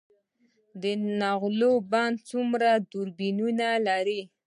د نغلو بند څومره توربینونه لري؟